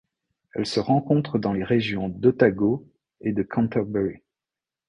Elle se rencontre dans les régions d'Otago et de Canterbury.